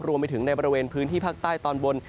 รวมไปถึงในบริเวณพื้นที่ภาคใต้ตอนบน